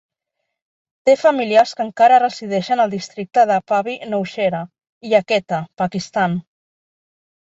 Té familiars que encara resideixen al districte de Pabbi Nowshera i a Quetta, Pakistan.